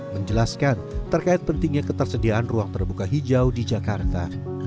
menjelaskan terkait pentingnya ketersediaan ruang terbuka hijau di jakarta